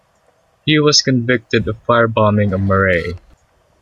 He was convicted of fire-bombing a marae.